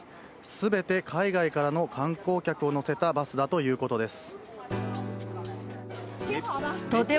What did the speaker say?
全て海外からの観光客を乗せたバスだということです。